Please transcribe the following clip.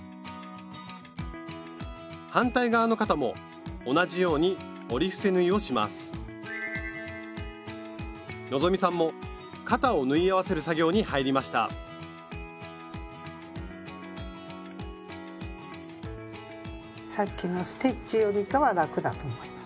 反対側の肩も同じように折り伏せ縫いをします希さんも肩を縫い合わせる作業に入りましたさっきのステッチよりかは楽だと思います。